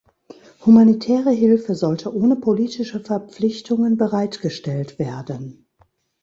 Humanitäre Hilfe sollte ohne politische Verpflichtungen bereitgestellt werden.